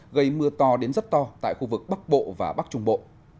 gây mưa to đến rất to tại khu vực bắc bộ và bắc trung bộ